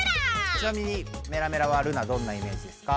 ちなみにメラメラはルナどんなイメージですか？